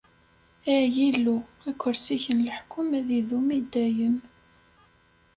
Ay Illu, akersi-k n leḥkwem ad idum i dayem.